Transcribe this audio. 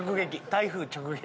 台風直撃。